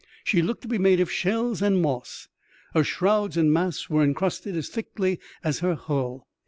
She looked to be made of shells and moss : her shrouds and masts were encrusted as ihickly as her hull.